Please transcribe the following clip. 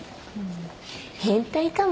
変態かも。